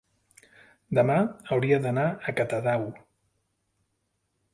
Demà hauria d'anar a Catadau.